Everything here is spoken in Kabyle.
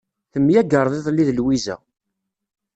Temyagreḍ iḍelli d Lwiza.